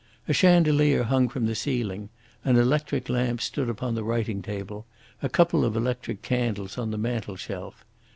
A chandelier hung from the ceiling, an electric lamp stood upon the writing table, a couple of electric candles on the mantel shelf.